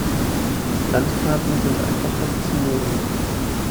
Landkarten sind einfach faszinierend.